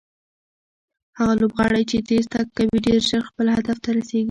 هغه لوبغاړی چې تېز تګ کوي ډېر ژر خپل هدف ته رسیږي.